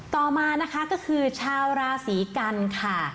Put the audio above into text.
ต่อมานะคะก็คือชาวราศีกันค่ะ